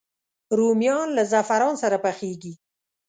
رومیان له زعفران سره پخېږي